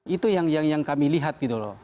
itu yang kami lihat gitu loh